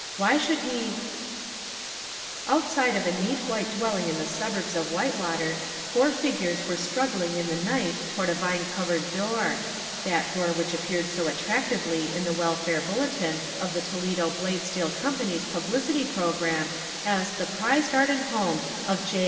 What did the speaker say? Why should he " Outside of a neat white dwelling in the suburbs of Whitewater, four figures were struggling in the night toward a vine covered door that door which appeared so attractively in the Welfare Bulletin of the Toledo Blade Steel Company's publicity program as the "prize garden home of J.